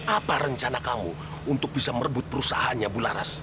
apa rencana kamu untuk bisa merebut perusahaannya bularas